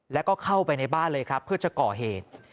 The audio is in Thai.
แล้วก็เข้าไปในบ้านเลยครับเพื่อจะก่อเหตุ